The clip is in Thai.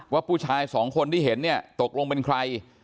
ว่าผู้ชายสองคนที่เห็นเนี่ยตกลงเป็นใคร